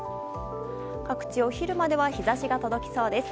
各地、お昼までは日差しが届きそうです。